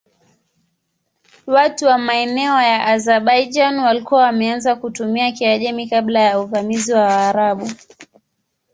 Watu wa maeneo ya Azerbaijan walikuwa wameanza kutumia Kiajemi kabla ya uvamizi wa Waarabu.